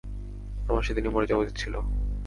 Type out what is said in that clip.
আমার সেদিনই মরে যাওয়া উচিত ছিল।